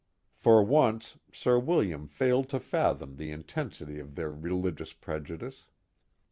For once Sir William failed to fathom the intensily of their religious prejudice.